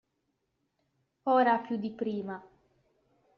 Ora più di prima.